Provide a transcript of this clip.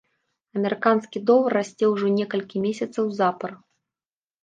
Амерыканскі долар расце ўжо некалькі месяцаў запар.